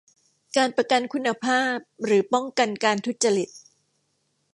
การประกันคุณภาพหรือการป้องกันการทุจริต